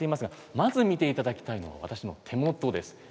まず見ていただきたいのが私の手元です。